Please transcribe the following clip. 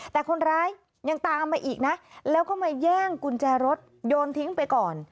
แต่คนร้ายยังตามมาอีกนะแล้วก็มาแย่งกุญแจรถโยนทิ้งไปก่อน